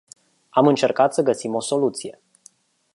Am încercat sa găsim o soluție.